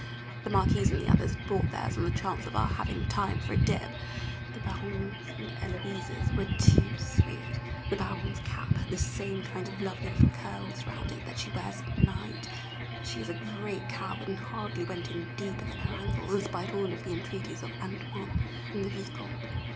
The Marquise and the others had brought theirs on the chance of our having time for a dip. The Baronne's and Héloise's were too sweet. The Baronne's cap had the same kind of lovely little curls round it that she wears at night; but she is a great coward, and hardly went in deeper than her ankles, in spite of all the entreaties of "Antoine" and the Vicomte.